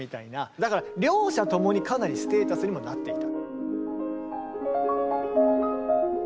だから両者共にかなりステータスにもなっていた。